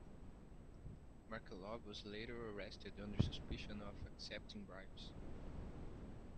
Markelov was later arrested under suspicion of accepting bribes.